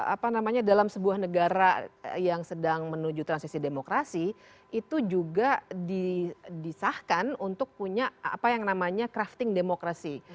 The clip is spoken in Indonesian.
apa namanya dalam sebuah negara yang sedang menuju transisi demokrasi itu juga disahkan untuk punya apa yang namanya crafting demokrasi